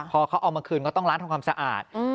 พอเขาเอามาคืนก็ต้องล้างทำความสะอาด